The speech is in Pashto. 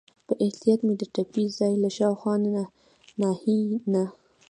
په احتیاط مې د ټپي ځای له شاوخوا ناحیې نه.